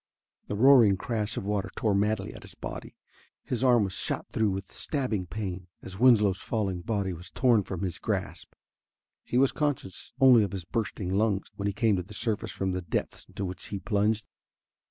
The roaring crash of water tore madly at his body; his arm was shot through with stabbing pain as Winslow's falling body was torn from his grasp. He was conscious only of his bursting lungs when he came to the surface from the depths into which he plunged.